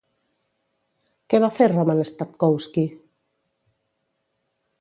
Què va fer Roman Statkowski?